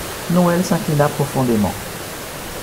Noël s'inclina profondément.